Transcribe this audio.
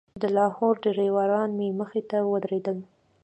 د لاهور ډریوران مې مخې ته ودرېدل.